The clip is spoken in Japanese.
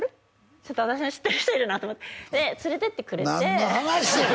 ちょっと私の知ってる人いるなと思ってで連れていってくれて何の話や！